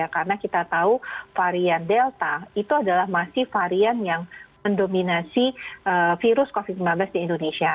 karena kita tahu varian delta itu adalah masih varian yang mendominasi virus covid sembilan belas di indonesia